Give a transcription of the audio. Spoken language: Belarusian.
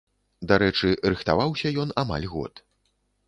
Дарэчы, рыхтаваўся ён амаль год.